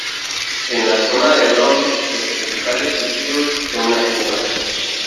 En la zona de Hebrón, los principales cultivos son las uvas.